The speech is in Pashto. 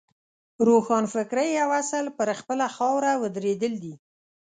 روښانفکرۍ یو اصل پر خپله خاوره ودرېدل دي.